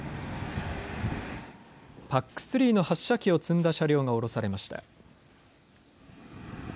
ＰＡＣ３の発射機を積んだ車両が降ろされました。